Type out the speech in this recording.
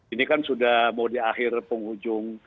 ini kan sudah mau di akhir penghujung